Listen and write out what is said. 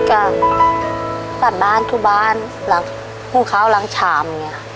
กลับบ้านทั่วบ้านหลังคู่เค้าหลังฉาม